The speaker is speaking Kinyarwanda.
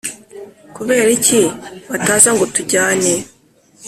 Kubera iki bataza ngo tujyane